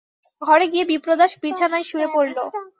ঘরে গিয়ে বিপ্রদাস বিছানায় শুয়ে পড়ল।